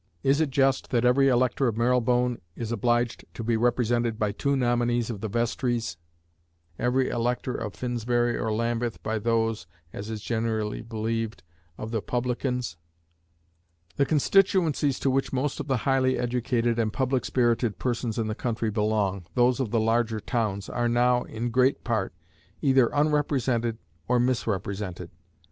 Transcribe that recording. Is it just that every elector of Marylebone is obliged to be represented by two nominees of the vestries, every elector of Finsbury or Lambeth by those (as is generally believed) of the publicans? The constituencies to which most of the highly educated and public spirited persons in the country belong, those of the large towns, are now, in great part, either unrepresented or misrepresented.